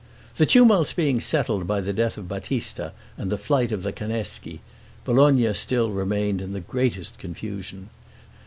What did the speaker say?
The tumults being settled by the death of Battista, and the flight of the Canneschi, Bologna still remained in the greatest confusion.